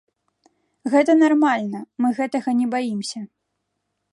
Гэта нармальна, мы гэтага не баімся.